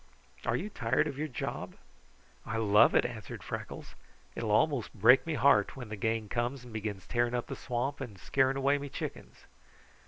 Are you tired of your job?" "I love it," answered Freckles. "It will almost break me heart when the gang comes and begins tearing up the swamp and scaring away me chickens."